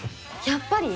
やっぱり。